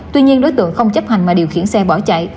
tuy nhiên đối tượng không chấp hành mà điều khiển xe bỏ chạy